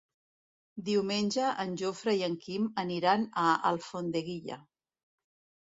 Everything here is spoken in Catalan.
Diumenge en Jofre i en Quim aniran a Alfondeguilla.